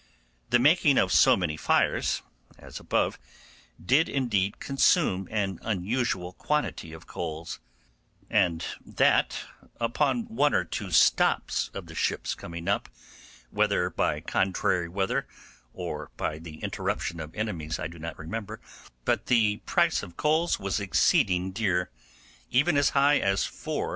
The making so many fires, as above, did indeed consume an unusual quantity of coals; and that upon one or two stops of the ships coming up, whether by contrary weather or by the interruption of enemies I do not remember, but the price of coals was exceeding dear, even as high as 4 l.